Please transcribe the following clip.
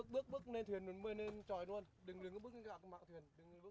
bước lên thuyền đứng lên tròi luôn